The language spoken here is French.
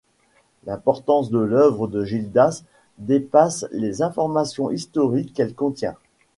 L'importance de l'œuvre de Gildas dépasse les informations historiques qu'elle contient.